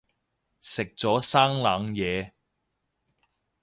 食咗生冷嘢